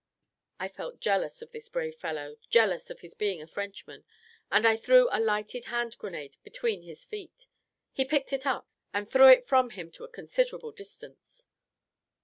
_" I felt jealous of this brave fellow jealous of his being a Frenchman; and I threw a lighted hand grenade between his feet he picked it up, and threw it from him to a considerable distance.